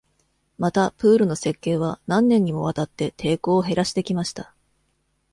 また、プールの設計は、何年にもわたって、抵抗を減らしてきました。